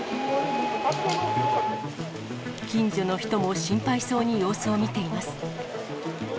近所の人も心配そうに様子を見ています。